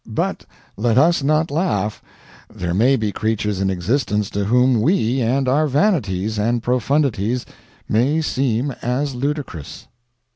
But let us not laugh; there may be creatures in existence to whom we and our vanities and profundities may seem as ludicrous."